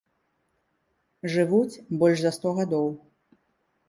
Жывуць больш за сто гадоў.